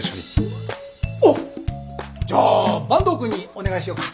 おっじゃあ坂東くんにお願いしようか。